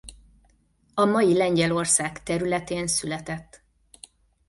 A mai Lengyelország területén született.